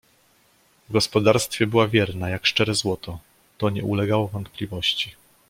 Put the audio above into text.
W gospodarstwie była wierna jak szczere złoto — to nie ulegało wątpliwości!